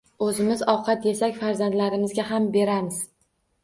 O‘zimiz ovqat yesak, farzandlarimizga ham beramiz.